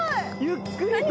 ゆっくりと。